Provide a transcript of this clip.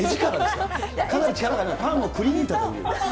かなり力が、パンをくりぬいたという。